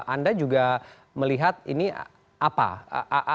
anda juga melihat ini apa